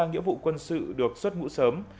nhiệm vụ quân sự được xuất ngũ sớm